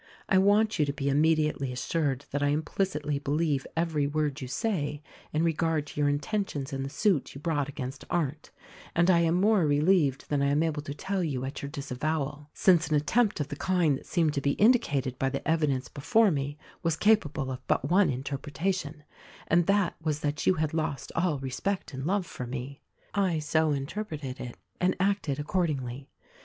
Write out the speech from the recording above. "I want you to be immediately assured that I implicitly believe every word you say in regard to your intentions in the suit you brought against Arndt; and I am more relieved than I am able to tell you at your disavowal — since an attempt of the kind that seemed to be indicated by the evi dence before me, was capable of but one interpretation — and that was that you had lost all respect and love for me. "I so interpreted it and acted accordingly.